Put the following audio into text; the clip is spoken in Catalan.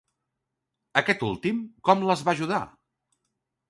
Aquest últim, com les va ajudar?